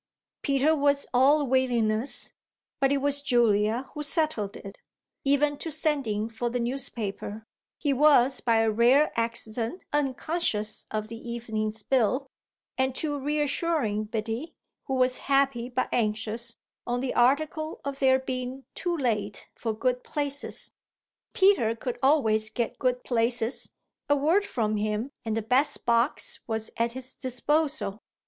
Peter was all willingness, but it was Julia who settled it, even to sending for the newspaper he was by a rare accident unconscious of the evening's bill and to reassuring Biddy, who was happy but anxious, on the article of their being too late for good places. Peter could always get good places: a word from him and the best box was at his disposal.